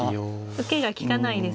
受けが利かないですもんね。